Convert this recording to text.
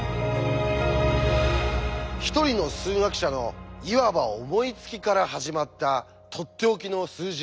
一人の数学者のいわば思いつきから始まったとっておきの数字